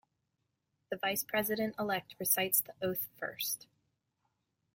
The vice-president-elect recites the oath first.